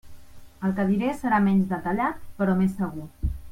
El que diré serà menys detallat, però més segur.